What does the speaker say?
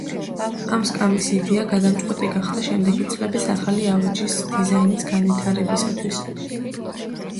ამ სკამის იდეა გადამწყვეტი გახდა შემდეგი წლების ახალი ავეჯის დიზაინის განვითარებისათვის.